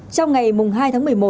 trong ngày hai tháng một mươi một